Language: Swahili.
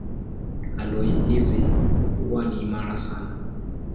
Aloi hizi huwa ni imara sana.